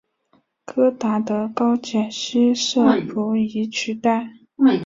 戈达德高解析摄谱仪取代。